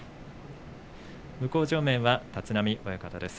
向正面は立浪親方です。